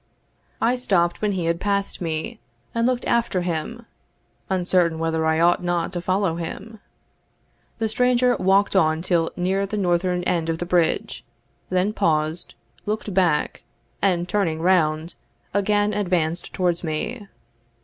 I stopped when he had passed me, and looked after him, uncertain whether I ought not to follow him. The stranger walked on till near the northern end of the bridge, then paused, looked back, and turning round, again advanced towards me.